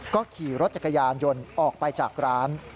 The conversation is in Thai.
ก็ขี่รถจักรยานยนต์ออกไปจากร้าน